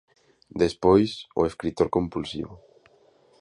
Despois o escritor compulsivo.